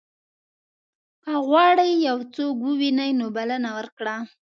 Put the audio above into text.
که غواړې یو څوک ووینې نو بلنه ورکړه.